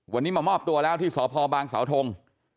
วันนี้มามอบตัวแล้วที่สพบางสาวทง